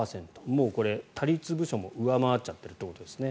もうこれ、他律部署も上回っちゃってるということですね。